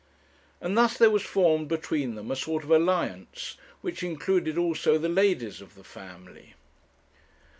And thus there was formed between them a sort of alliance, which included also the ladies of the family.